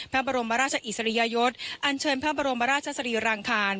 พระบรมราชอิสริยยศอันเชิญพระบรมราชสรีรางคาร